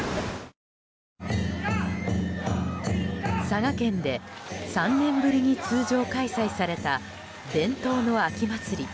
佐賀県で３年ぶりに通常開催された伝統の秋祭り